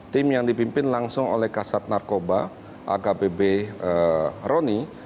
tim yang dipimpin langsung oleh kasat narkoba akbp roni